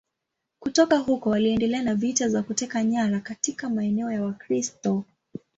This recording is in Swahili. Kutoka huko waliendelea na vita za kuteka nyara katika maeneo ya Wakristo.